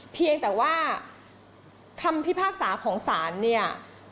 เพียงแต่ว่าคำพิพากษาของศาลเนี่ย